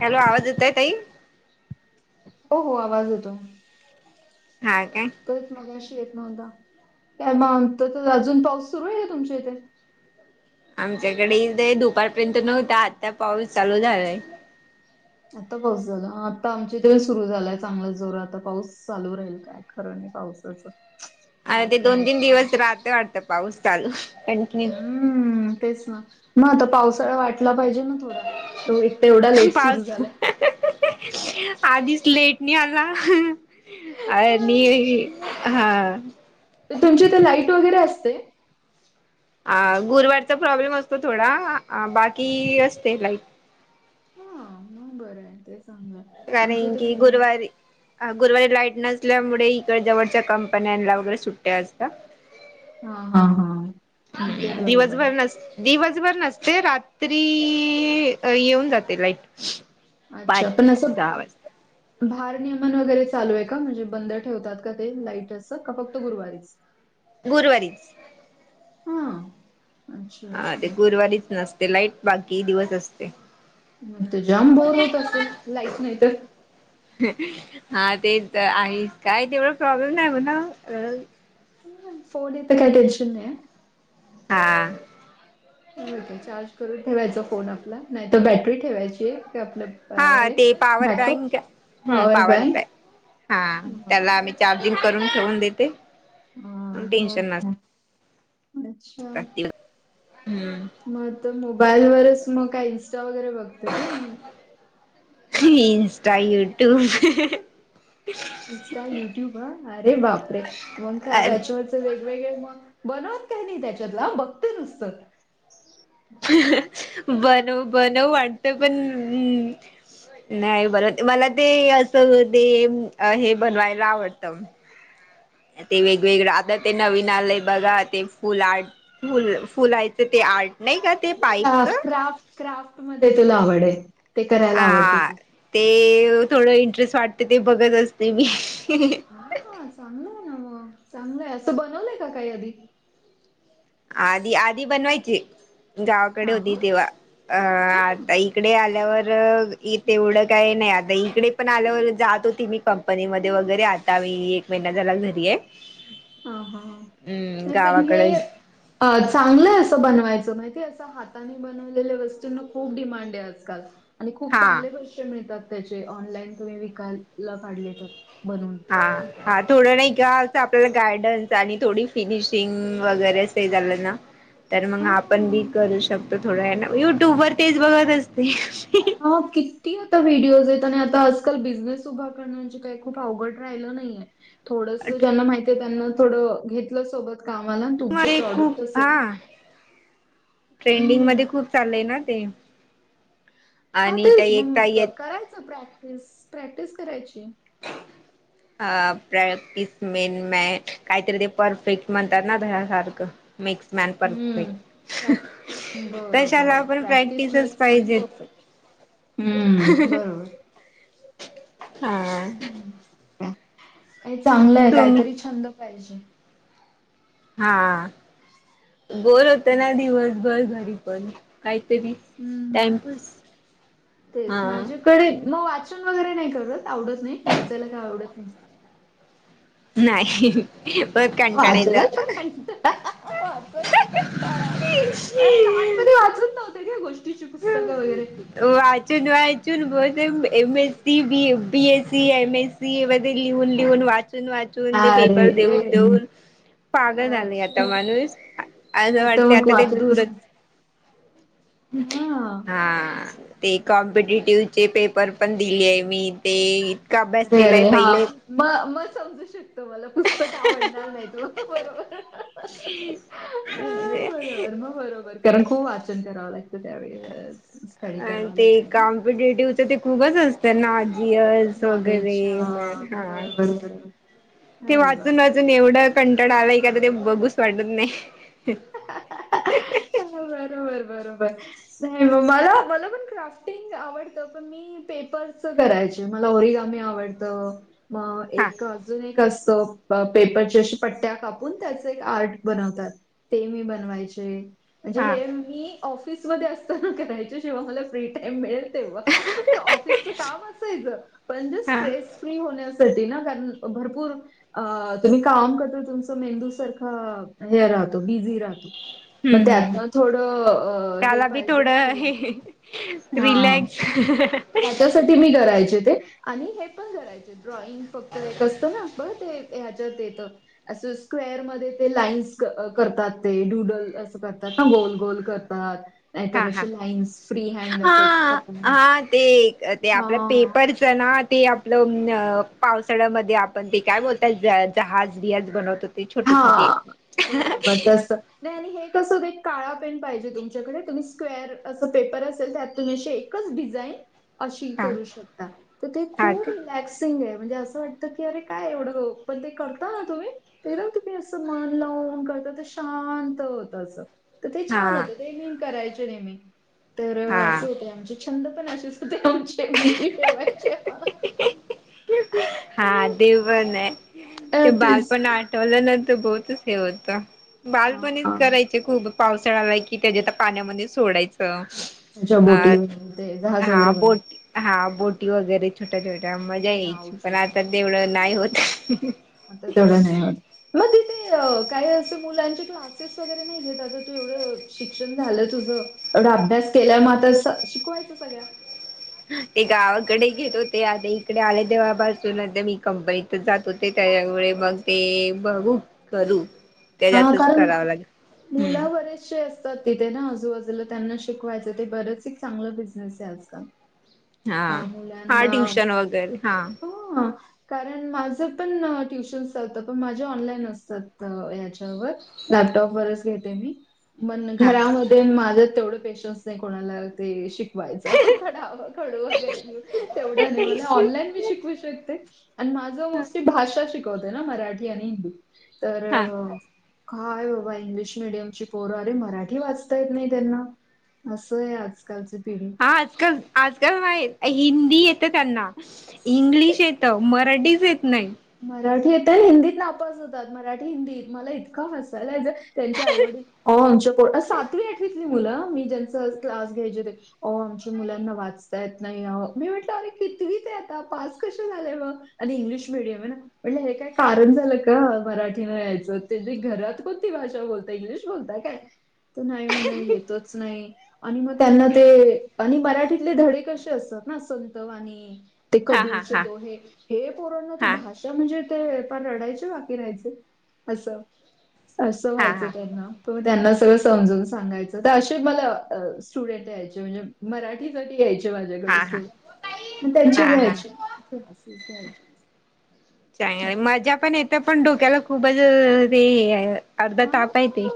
Hello आवाज येतोय ताई? हो हो आवाज येतो. हाय काय. तरच मगाशी येत नव्हता काय मग अजून पाऊस सुरू आहे का तुमच्या इथे? आमच्याकडे ईद हाय दुपारपर्यंत नव्हता आत्ता पाऊस चालू झालाय. आता पाऊस झाला. आ आता आमच्या इथे सुरू झालाय चांगला जोराचा आता पाऊस चालू राहील काय- खरं नाही पावसाचं. अ काय ते दोन तीन करायचं बाबा दिवस राहतो वाटतं पाऊस चालू आणखीन, हम्म तेच ना मग आता पावसाळा वाटला पाहिजे ना. थोडा तो एकत एवढा लेट सुरू पाऊस झाला आधीच लेट नाही आला अंं अं आ मी हा हा तर तुमची ते लाईट वगैरे असते? अ गुरुवारचा प्रॉब्लेम असतो थोडा बाकी असते लाईट. हा मग बरं आहे ते सांगा आमच्या इथे पण्, गुरुवारीची लाईट नसल्यामुळे इकड्या जवळच्या कंपन्यांला वगैरे सुट्ट्या असतात. हा हा हा ते हं बरोबर दिवसभर आहे नसते. दिवसभर नसते, रात्री. येऊन जाते लाईट. पाच अच्छा पण असं सहा वाजता भार नियमन वगैरे चालू आहे का, म्हणजे बंद ठेवतात का ते लाईट अस, का फक्त गुरुवारीच. ह.. गुरुवारीच. हं. हा ते गुरुवारीच नसते लाईट, बाकी दिवस असते. मग तर जाम बोर होत असल, लाईट नाही तर. हा ते तर आहे, काय तेवढं प्रॉब्लेम नाही म्हणा. फोन हे तर काही टेंशन नाही अं. हा... ओके चार्ज करून ठेवायचा फोन आपला, नाही तर बॅटरी ठेवायची, हे आपलं अ, हा हे ते power backup bank, power bank, हा हां, त्याला आम चार्जिंग करून ठेवून देते. हा टेन्शन हो अच्छा. नसत हम्म. मग तर मोबाईल वरच मग काय इन्स्टा वगैरे बघते तू, हं. हं इन्स्टा युट्यूब हं हं. इन्स्टा युट्यूब ह अरे बापरे! मग का त्याच्यावर वेगवेगळे मग,, बनवत काय नाही त्याच्यातला बघते नुसतं. हंं हं बनव बनवू वाटतं पण अ म् नाही बर मला ते असं ते, हे बनवायला आवडतं. ते वेगवेगळं, आता ते नवीन आलंय बघा ते फुल आर्ट. फुल, फुलायचं ते आर्ट नाही का ते अच्छा, पाईपच क्राफ्ट क्राफ्ट मध्ये तुला आवडय, ते करायला आवडत आ तूला. ते थोडं इंटरेस्ट वाटतं, ते थोडं बघत असते मी. हा हा चांगलं आहे ना, मग चांगलंय असं, बनवलंय का काही तु आधी? आधी आधी बनवायचे, गावाकडे हां. होती तेव्हा, अ हां, आता ई इकडे आल्यावर ईथे एवढं काय नाही, आता इकडे पण आल्यावर जात होती मी कंपनीमध्ये वगैरे, आता मी एक महिना झाला घरी आहे. हा हा, हम्म नाही पण हे गावाकडे अ चांगलय असं बनवायचं, माहितय असं हातात हातांनी बनवलेल्या वस्तूंना खूप डिमांड आहे आजकाल. आणि खूप हा चांगले पैसे मिळतात त्याचे, ऑनलाईन तुम्ही विकायला काडले तर, बनवून. हा हा थोडं नाही का आपल्याला गाईड्नस, आणि थोडी फिनिशिंग वगैरे. ते झालं ना तर मग आपण बी हां. करू शकतो थोडं ना, युट्यूब वर तेच बघत असते. हा किती आता व्हिडिओज आहेत, आणि आता आजकाल बिझनेस उभा करण्याची काही खूप अवघड राहिलं नाहीये. थोड ज्यांना माहितय त्यांना थोडं घेतलं सोबत कामाला, तुमचे मध्ये प्रॉडक्ट खूप असेल हा ट्रेंडिंग हं. मध्ये खूप चाललय ना ते. हा आणि त्या तेच, एक ताई मग करायचं प्रॅक्टिस, प्रॅक्टिस करायची. अ प्रॅक्टिस मेन म काहीतरी ते परफेक्ट म्हणतात ना त्यासारखं. मेक्स मॅन हं. परफेक्ट, प्रॅक बरोबर. कशालापण प्रॅक्टिस प्रॅक्टिसच पाहिजेत. हम्म बरोबर. हा चांगलं आहे तुम काहीतरी छंद पाहिजे. हा बोर होत ना दिवसभर घरी पण काहीतरी हं. टाईपास हा कडे मग वाचन वगैरे नाही करत आवडत नाही. वाचायला काय आवडत नाही. नाही. बर काय. वाचयच कंटाळा, वाचायचा कंटाळा अ लहानपणी वाचत नव्हत का्या गोष्टीची पुस्तकं वगैरे वाचून वाचून बत एमएससी, बी बीएससी, एमएसी, सीमध्ये लिहून, लिहून, वाचून, वाचून, ते पेपर देऊन, अरे देऊन. पागल झाले आता अच्छा माणूस असं वाटते मग आता ते वाचायचंच दूर हां. हा ते कॉम्पिटेटिव चे पेपर पण दिले आहे. मी ते इतका अभ्यास केलाय पहिले म म समज शकते. तुमाला पुस्तक आवडणार नाही ओ बरोबर अ बरोबर मग बरोबर कारण खूप वाचन करावं लागतं त्यावेळे. अ ते कॉम्पिटेटिव्हच ते खूपच असतात ना जियल्स वगैरे नॉलेज हा म हा बरोबर बरोबर ते अरे वाचून बापरे. वाचून एवढं कंटळ आलंय का तर ते बघूच वाटत नाही. ह बरोबर बरोबर नाही मला मला पण क्राफ्टिंग आवडत पण मी म पेपर करायचे मला ओरिगामी आवडत. मग हा एक अजून एक असतो. पेपरची अ पट्ट्या कापून त्याच एक आर्ट बनवतात ते मी बनवायचे म्हणजे हा हे मी ऑफिसमध्ये असताना करायच्या जेव्हा मला फ्री टाइम मिळेल. ऑफिस काम असायचं पण ते हा स्ट्रेस फ्री होण्या ना कारण भरपूर अ तुम्ही काम करत तुमचं मेंदू सारखं हे राहतो बिझी राहतो. मग ह् त्यातनं थोडं अ, हे त्याला बी पाहिजे थोड ना हे रिलॅक्स हां. रील्याक्स. ह त्याच्यासाठी मी करायचे ते आणि हे पण करायचे ड्रॉइंग फक्त एक असतं ना. बघ ते ह्याच्यात येत. असं स्क्वेर मध्ये ते लाईन्स करतात ते डुडल असं करतात ना गोल गोल करतात. हा नाहीतर हा असे लाईन्स फ्री हँड हा अस ख [unintelligible] हा ते ते आपल्या पेपर जणा ते आपलं पावसाळ्यामध्ये आपण ते काय बोलतात जहाज बिहाज बनवत ते छोटी छोटी हां, बरोबर तसं. नाही आणि हे कसं एक काळा पेन पाहिजे तुमच्याकडे तुम्ही स्क्वेअर असं पेपर असेल त्यात तुम्ही शेक एकच डिझाईन अशी हा करु शकता तर ते हा खूप का रिलॅक्स सिंग आहे म्हणजे असं वाटतं की अरे काय एवढं पण ते करता ना तुम्ही. ते ना तुम्ही असं मन लावून करता तर शांत होत अस तर ते हा छान होतं ते मीन करायच नेहमी. तर हा असं होत आमचे छंद पण असेच होते आमचे बीजी ठेवायचे आम्हाला हा ते पण आहे अ, ते तेच. बालपण आठवलं ना तर बहुतच हे होत. हां, बालपण हां. करायचे खूप पावसाळ्याला कि त्याच्यात पाण्यामध्ये सोडायचं. त्यांच्या अ बोटीवर ते जहाज हा वगैरे बन बोट हा बोटी वगैरे छोट्या छोट्या मजा नाव यायची पण छोटून आता तेवढं नाही होत. आता तेवढं नाही होत मग तिथे काही असे मुलांचे क्लासेस वगैरे नाही घेतात तू एवढं शिक्षण झालं तुझ एवढा अभ्यास केल्या मग आता शिकवायचं सगळ्या. ते गावाकडे घेत होते आता इकडे आले तेव्हापासून आ मी कंपनी जात होते त्यामुळे मग ते बघू करू. हा त्याच्यातच कारण करावं लागेल. मुलं हम्म बरेचसे असत तिथे ना आजूबाजूला त्यांना शिकवायचं ते बरंच एक चांगलं बिझनेस आहे आजकाल. हा अ, -हा मुलांना ट्युशन वगैरे हा. कारण माझं पण ट्युशन्स होत पण माझ्या ऑनलाईन असतात ह लॅपटॉप वरच घेते मी हा माझं तेवढं पेशन्स नाही कोणाला ते शिक शिकवायच खडावं खडू वगैरे तेवढं नाही हा मला ऑनलाईन मी शिकवू शकते. आणि माझ मोस्टली भाषा शिकवत आहे ना मराठी आणि हिंदी तर हा काय बाबा इंग्लिश मिीडियमची पोरं अरे मराठी वाचता येत नाही त्यांना असं आहे आजकालची पिढी. आजकाल -आजकाल नाही हिंदी येत त्यांना इंग्लिश येत म मराठी च येत नाही. मराठी येत हिंदीत नापास होतात मराठी हिंदीत मला इतक हसायला येतं त्यांच्या आईवडील आमच्या सातवी आठवीतली मुलं मी ज्यांच क्लास घ्यायचे ते अ आमच्या मुलांना वाचता येत नाही मी म्हटलं अरे कितवी ते आता पास कसे झाले मग आणि इंग्लिश मीडयम आहे ना. म्हण हे काय कारण झालं का मराठीन यायचं त्यां घरात कोणती भाषा बोलता इंग्लिश बोलता काय त नाही म्हणे येतोच नाही. आणि मग त्यांना ते आणि मराठीतले धडे कसे असतात ना संत आणि ते हा हा कबीरचे हा दोहे हे पोरांना हा असं म्हणजे ते पण रडायचे बाकी राहायचे असं असं हा व्हायचं हा त्यांना. त म त्यांना सगळं समजून सांगायचं तर असे मला स्टुडन्ट यायचे म्हणजे मराठी यायचे माझ्याकडे हा हा स्टुडन्ट त्यांचे हा हा घ्यायचे क्लासेस घ्यायचे. चांग असं. मजा पण येत पण डोक्याला खूपच ते अर्धा ताप आहेेते.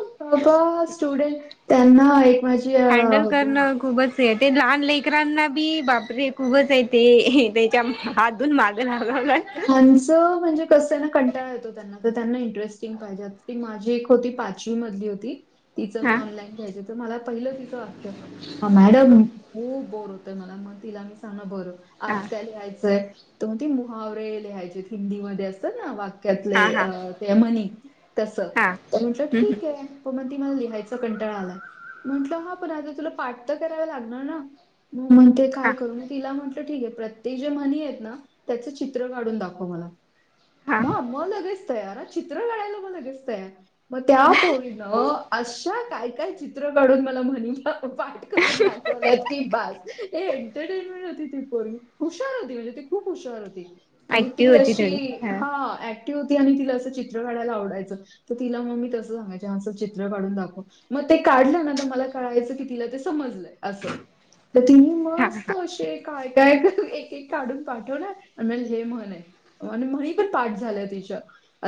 प स्टुडन्ट त्यांना एक माझी हँडल होती. करणं खूपच ते लहान लेकरांना बी बापरे खूपच आहे ते त्याच्या हातून मागं लागवला. त्यांचं म्हणजे कसं ना कंटाळा येतो त्यांना तर त्यांना इंटरेस्टिंग पाहिजे ती माझी एक होती पाचवी मधली होती. तिचं मी हा ऑनलाईन घ्यायच तर मला पहिलं तिचं वाक्य मॅडम खूप बोर होतय मला मग तिला मी सांगण बर हा आज काय लिहायच तर मग ती मुहावरे लिहायचे हिंदीमध्ये असत ना वाक्यातले हा हा ते म्हणी तस हा म्हटलं हम्म ठीक आहे. प मग ती मला लिहायच कंटाळा आलाय म्हंटलं ह पण आता तुला पाठ तर कराव लागणार ना मग म्हणते हम्म काय हा करू तिला म्हटलं ठीक आहे प्रत्येक जे म्हणी आहेत ना त्याच चित्र काढून दाखव मला. हा म मग लगेच तयार चित्र काढायला मग लगेच तयार मग त्या पोरींन अशा काय काय चित्र काढून मला म्हणी करून दाखवल्यात की बस हे एंटरटेनमेंट होती ती पोरगी हुशार होती. म्हणजे ती खूप हुशार होती. आणि ती ऍक्टिव होती अशी थोडी हा ती होती आणि तिला असं चित्र काढायला आवडायचं, तर तिला मग मी तसं सांगाय ह असं चित्र काढून दाखव. मग ते काढलं ना मला कळायचं की तिला ते समजलंय अस तिनं. हा मस्त हा असे काय काय एक एक काढून पाठवणार आणि म हे म्हण आहे. आणि म्हणी पण पाठ झालं तिच्या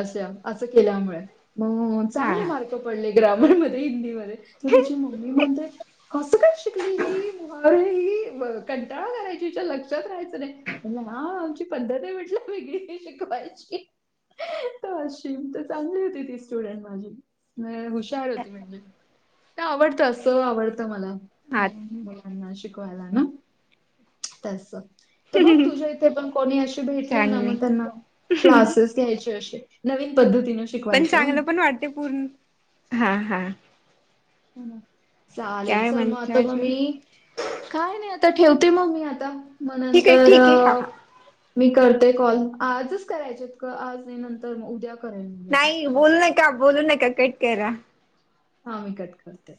अशा असं केल्यामुळे. मग हा चांगले हा मार्क पडले ग्रामर मध्ये हिंदीमध्ये तर तिची मम्मी म्हणते. कसं काय शिकली ही ही कंटाळा करायची हिच्या लक्षात राहायचं नाही. हा आमची पद्धत ते म्हटलं वेगळी शिकवायची. अशी तर चांगली होती ती स्टुडंट माझी. हुशार होती म्हणजे आवडत अस आवडतं हा मला. शिकवायला ना तस तर बघ. तुझ्या इथे पण कोणी [inaudible] भेटलय ना चांगले मग त्यांना क्लासेस. घ्यायचे असे नवीन पद्धतीन. पण चांगलं पण वाटते पूर्ण हा हा. ह चालेल काय चल मगत म्हणता मग अजून मी. काय नाही आता ठेवते मग मी आता मग ठीक आहे नंतर. ठीक आहे हा हा मी करतेय कॉल आजच करायचे कआज नाही नंतर उद्या. करेन मी आता. नाही आज बोलू नका बोलू नका कट करा. हा मी कट करते.